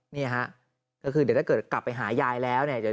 นี่ฮะก็คือเดี๋ยวถ้าเกิดกลับไปหายายแล้วเนี่ย